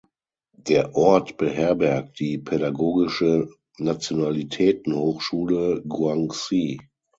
Der Ort beherbergt die "Pädagogische Nationalitäten-Hochschule Guangxi".